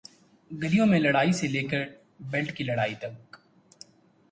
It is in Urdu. گلیوں میں لڑائی سے لے کر بیلٹ کی لڑائی تک،